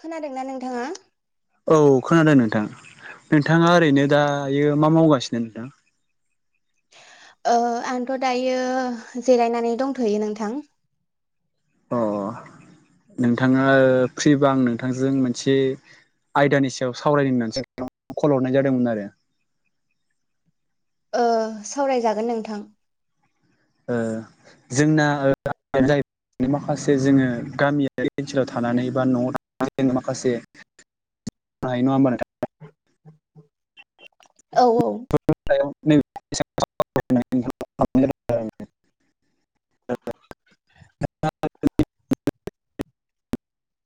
खोनादोंना नोंथाङा? औ खोनादों नोंथां नोंथाङा ओरैनो दायो मा मावगासिनो नोंथां आंथ' दायो जिरायनानै दंथ'यो नोंथां। अ नोंथाङा फ्रिबा आं नोंथांजों मोनसे आयदानि सायाव सावरायनो होननानैसो कल हरनाय जादोंमोन आरो। सावरायजागोन नोंथां जोंनानो जाहैबाय माखासे जोङो गामियारि ओनसोलाव थानानै बा न'आव थानानै जोङो माखासे हायो नङा होनबा नोंथां औ औ [unintelligible] जें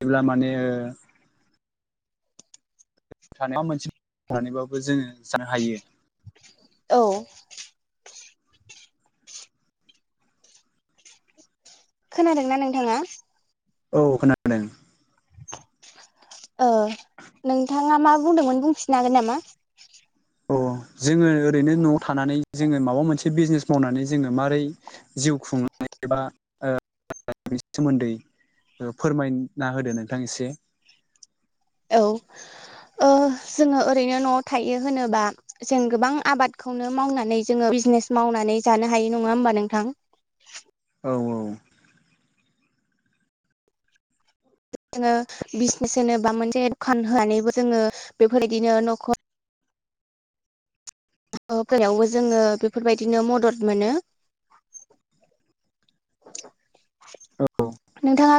जेब्ला माने थानाया मोनसेबाबो जोङो जानो हायो। औ खोनादोंना नोंथाङा। औ खोनादों नोंथाङा मा बुंदोंमोन बुंफिननो हागोन नामा? अ जोङो ओरैनो न'आव थानानै जोङो माबा मोनसे बिजनेस मावनानै जोङो मारै। जिउ खुंनानै एबा बेनि सोमोन्दै फोरमायना होदो नोंथां एसे औ जोङो ओरैनो न'आव थायो होनोबा जों गोबां आबादखौनो मावनानै जोङो बिजनेस मावनानै जानो हायो नङा होमबा नोंथां? औ औ जोङो बिजनेस होनो बा मोनसे दखान होनानैबो जोङो बेफोरबायदिनो न'खर फोरायावबो जोङो बेफोरबायदिनो मदद मोनो। औ नोंथाङा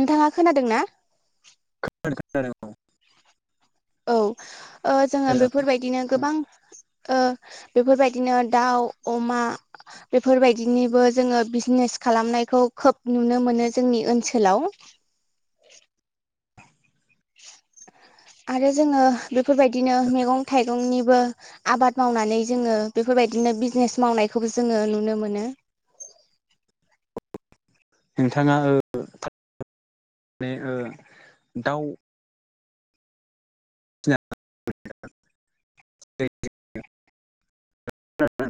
नोंथाङा खोनादों ना? ओ खोनादों औ जोङो बेफोर बायदिनो गोबां बेफोर बायदिनो दाउ अमा बेफोरबायदिनिबो जोङो बिजनेस खालामनायखौ खोब नुनो मोनो जोंनि ओनसोलाव। [inaudible] आरो जोङो बेफोरबायदिनो मैगं थाइगंनिबो आबाद मावनानै जोङो बेफोरबायदिनो बिजनेस मावनायखौबो जोङो नुनो मोनो। नोंथाङा माने दाउ [unintelligible]